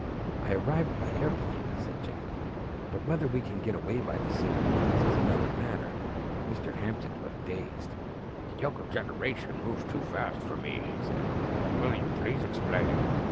"I arrived by airplane," said Jack. "But whether we can get away by the same means is another matter." Mr. Hampton looked dazed. "The younger generation moves too fast for me," he said. "But will you please explain?"